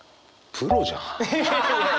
プロじゃん！